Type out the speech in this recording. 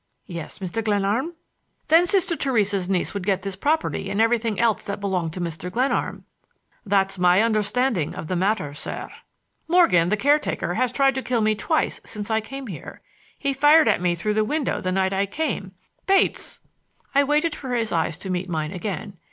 "Yes, Mr. Glenarm." "Then Sister Theresa's niece would get this property and everything else that belonged to Mr. Glenarm." "That's my understanding of the matter, sir." "Morgan, the caretaker, has tried to kill me twice since I came here. He fired at me through the window the night I came,—Bates!" I waited for his eyes to meet mine again.